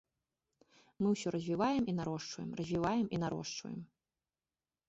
Мы ўсё развіваем і нарошчваем, развіваем і нарошчваем.